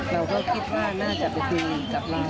เราก็คิดว่าน่าจะไปคืนกลับมา